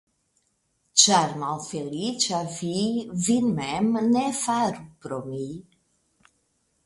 Ĉar malfeliĉa vi vin mem ne faru pro mi.